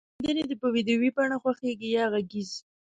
سندری د په ویډیو بڼه خوښیږی یا غږیز